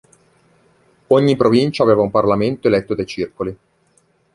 Ogni provincia aveva un parlamento eletto dai circoli.